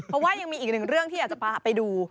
เพราะว่ายังมีอีกหนึ่งเรื่องที่อยากจะพาไปดู